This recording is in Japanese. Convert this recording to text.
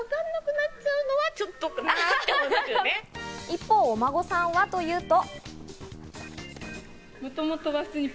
一方、お孫さんはというと。